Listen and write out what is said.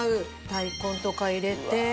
大根とか入れて。